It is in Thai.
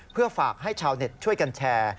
เพื่อฝากให้ชาวเน็ตช่วยกันแชร์